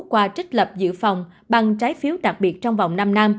qua trích lập dự phòng bằng trái phiếu đặc biệt trong vòng năm năm